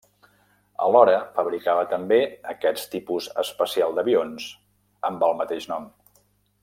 Alhora, fabricava també aquests tipus especial d'avions, amb el mateix nom.